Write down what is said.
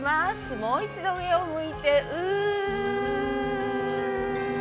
もう一度上を向いてウー。